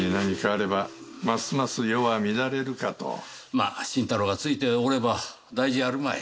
まあ新太郎がついておれば大事あるまい。